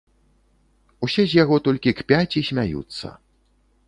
Усе з яго толькі кпяць і смяюцца.